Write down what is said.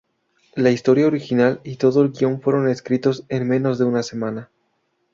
La historia original y todo el guion fueron escritos en menos de una semana.